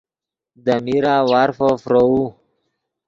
دے میرہ وارفو فروؤ